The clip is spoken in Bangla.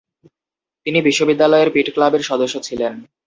তিনি বিশ্ববিদ্যালয়ের পিট ক্লাবের সদস্য ছিলেন।